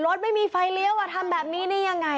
รถไม่มีไฟเลี้ยวทำแบบนี้ได้ยังไง